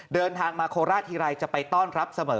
เดินทางมาโคราชทีไรจะไปต้อนรับเสมอ